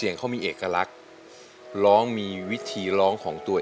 อย่าให้สวยกัน